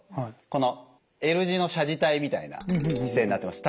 このＬ字の斜字体みたいな姿勢になってます。